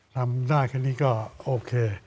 ทำได้แค่นี้ก็โอเค